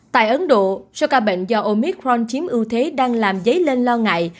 tại ấn độ soka bệnh do omicron chiếm ưu thế đang làm dấy lên lo ngại